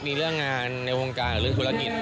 มีเรื่องงานในวงการหรือเรื่องธุรกิจ